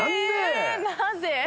えなぜ？